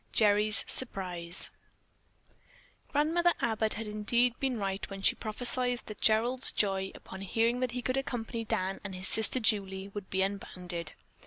GERRY'S SURPRISE Grandmother Abbott had indeed been right when she prophecied that Gerald's joy, upon hearing that he could accompany Dan and his sister Julie, would be unbounded.